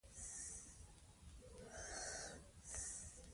د بهرنیو کلتورونو تر اغیز لاندې رانه شو.